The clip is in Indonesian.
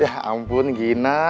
ya ampun gina